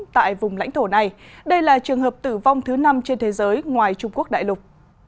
tại vùng lãnh thổ này đây là trường hợp tử vong thứ năm trên thế giới ngoài trung quốc đại lục